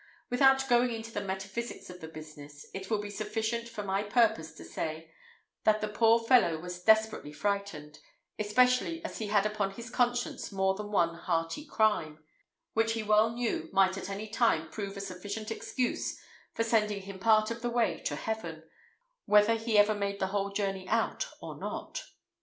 Without going into the metaphysics of the business, it will be sufficient for my purpose to say, that the poor fellow was desperately frightened, especially as he had upon his conscience more than one hearty crime, which he well knew might at any time prove a sufficient excuse for sending him part of the way to heaven, whether he ever made the whole journey out or not.